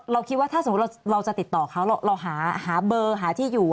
คิดว่าถ้าสมมุติเราจะติดต่อเขาเราหาเบอร์หาที่อยู่